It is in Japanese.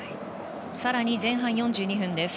更に前半４２分です。